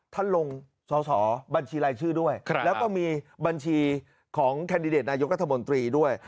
ท่านลงสอสอบัญชีรายชื่อด้วยแล้วก็มีบัญชีของแคนดิเดตนายกรัฐมนตรีด้วย